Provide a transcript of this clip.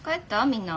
みんな。